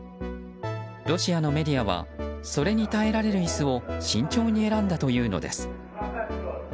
ロシアのメディアはそれに耐えられる椅子を慎重に選んだというのです。